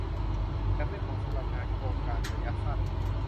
แต่ไม่เหมาะสำหรับงานโครงการระยะสั้น